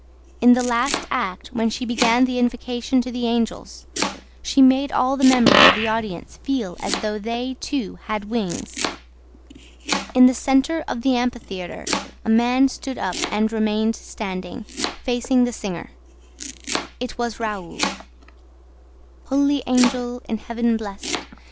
In the last act when she began the invocation to the angels, she made all the members of the audience feel as though they too had wings. In the center of the amphitheater a man stood up and remained standing, facing the singer. It was Raoul. "Holy angel, in Heaven blessed